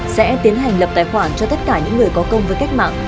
sẽ tiến hành lập tài khoản cho tất cả những người có công với cách mạng